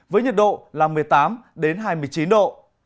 với nhật độ là một mươi tám đến hai mươi chín độ